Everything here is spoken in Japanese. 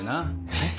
えっ？